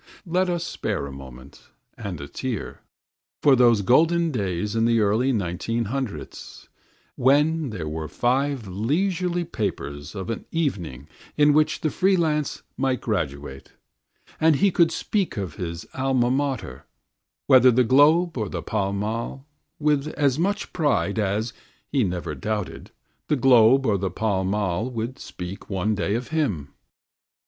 Let us spare a moment, and a tear, for those golden days in the early nineteen hundreds, when there were five leisurely papers of an evening in which the free lance might graduate, and he could speak of his Alma Mater, whether the GLOBE or the PALL MALL, with as much pride as, he never doubted, the GLOBE or the PALL MALL would speak one day of him.